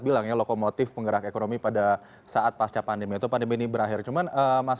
bilangnya lokomotif penggerak ekonomi pada saat pasca pandemi itu pandemi ini berakhir cuman mas